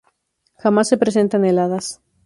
Jamás se presentan heladas.